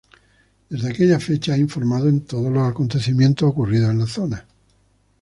Desde aquella fecha ha informado de todos los acontecimientos ocurridos en la zona.